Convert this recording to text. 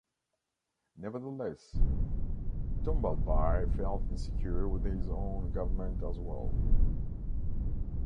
Nevertheless, Tombalbaye felt insecure with his own government as well.